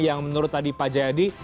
yang menurut tadi pak jayadi